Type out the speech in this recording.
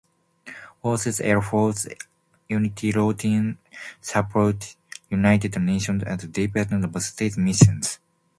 Fourth Air Force units routinely support United Nations and Department of State missions.